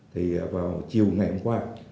thì vào chiều ngày hôm qua